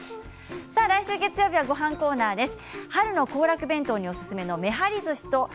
来週月曜日はごはんコーナーです。